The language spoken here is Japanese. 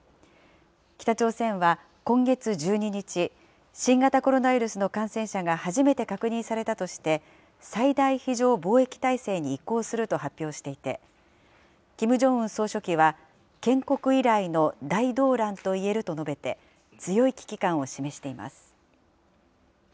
北朝鮮は今月１２日、新型コロナウイルスの感染者が初めて確認されたとして、最大非常防疫態勢に移行すると発表していて、キム・ジョンウン総書記は建国以来の大動乱といえると述べて、強い危機感を示しています。